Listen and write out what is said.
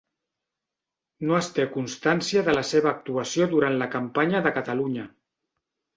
No es té constància de la seva actuació durant la campanya de Catalunya.